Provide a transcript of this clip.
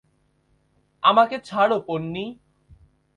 আমাকে ছাড়ো, পোন্নি।